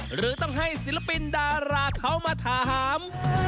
หรือต้องให้ศิลปินดาราเขามาถาม